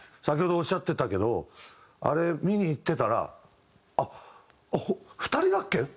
先ほどおっしゃってたけどあれ見に行ってたらあっ２人だっけ？